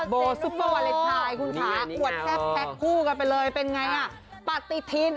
โบซุปเปอร์วาเลนทรายคุณภาควรแท็กผู้กันไปเลยเป็นไงน่ะปฏิทิน